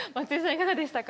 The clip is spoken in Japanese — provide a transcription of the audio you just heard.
いかがでしたか？